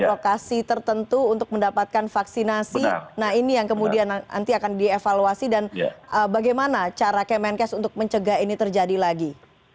jadi lokasi tertentu untuk mendapatkan vaksinasi nah ini yang kemudian nanti akan dievaluasi dan bagaimana cara kemenkes untuk mencegah ini terjadi lagi